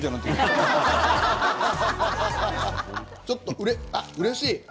ちょっとうれしい！